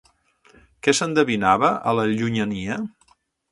Què s'endevinava a la llunyania?